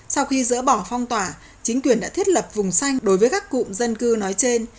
sau khi dỡ bỏ phong tỏa chính quyền đã thiết lập vùng xanh đối với các cụm dân cư nói trên